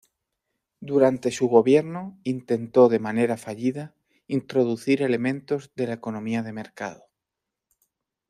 Durante su gobierno, intentó de manera fallida, introducir elementos de la economía de mercado.